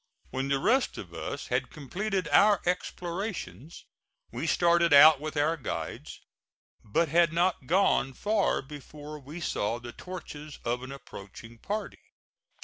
When the rest of us had completed our explorations, we started out with our guides, but had not gone far before we saw the torches of an approaching party.